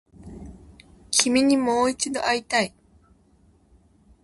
君にもう一度会いたい